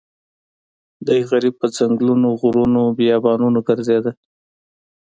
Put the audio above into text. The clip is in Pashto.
دی غریب په ځنګلونو غرونو بیابانونو ګرځېده.